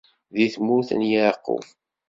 Di tmurt n Yeɛqub.